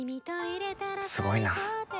すごいな。